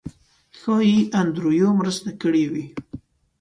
ښایي انډریو مرسته کړې وي.